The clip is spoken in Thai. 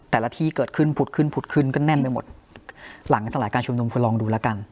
แต่ละที่เกิดขึ้นผุดขึ้นผุดขึ้นก็แน่นไปหมดหลังสลายการชุมนุมคุณลองดูแล้วกัน